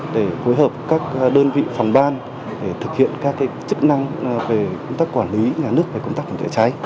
để phối hợp các đơn vị phòng ban để thực hiện các chức năng về công tác quản lý nhà nước về công tác phòng cháy cháy